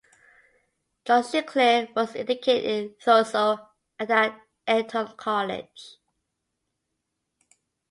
John Sinclair was educated in Thurso and at Eton College.